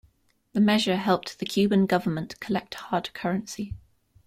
The measure helped the Cuban government collect hard currency.